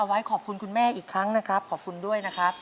เอาไว้ขอบคุณอีกครั้งขอบคุณด้วยนะครับ